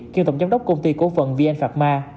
kiêm tổng giám đốc công ty cổ phần vn phạc ma